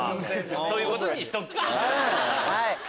そういうことにしとくか！